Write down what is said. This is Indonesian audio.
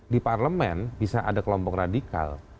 di parlemen bisa ada kelompok radikal